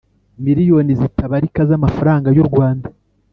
Miliyoni zitabarika z,amafaranga y,U Rwanda.